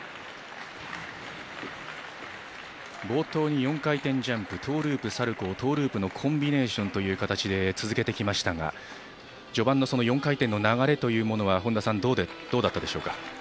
冒頭に４回転ジャンプトーループ、サルコートーループのコンビネーションという形で続けてきましたが序盤の４回転の流れというのは本田さん、どうだったでしょうか。